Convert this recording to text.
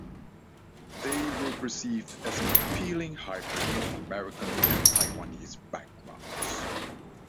They were perceived as an appealing hybrid of American and Taiwanese backgrounds.